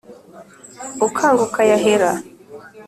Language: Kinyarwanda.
ukanga ukayahera.